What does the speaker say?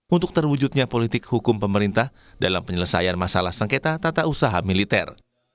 untuk terwujudnya politik hukum pemerintah dalam penyelesaian masalah sengketa tata usaha militer